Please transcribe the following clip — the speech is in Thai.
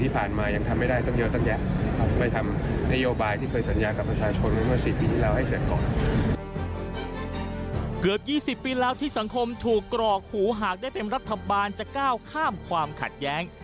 เกือบ๒๐ปีแล้วที่สังคมถูกกรอกหูหากได้เป็นรัฐบาลจะก้าวข้ามความขัดแย้ง